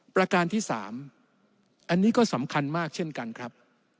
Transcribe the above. ประการที่๓อันนี้ก็สำคัญมากเช่นกันครับ